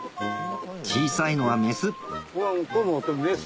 小さいのはメスメス。